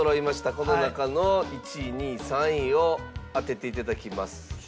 この中の１位２位３位を当てていただきます。